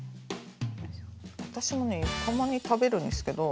私もねたまに食べるんですけど。